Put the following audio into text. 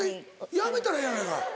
やめたらええやないか。